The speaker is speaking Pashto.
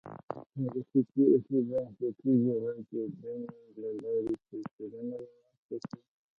تاریخي پېښې بنسټي جلا کېدنې له لارې توپیرونه رامنځته کوي.